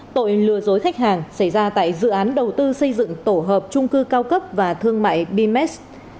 tội lừa dối khách hàng xảy ra tại dự án đầu tư xây dựng tổ hợp trung cư cao cấp và thương mại bms